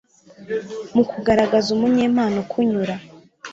mu kugaragaza umunyempano ukunyura